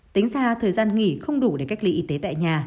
tính ra thời gian nghỉ không đủ để cách ly y tế tại nhà